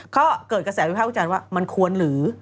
ก็เกิดกระแสวิภาพวิจารณ์ว่ามันควรหรือ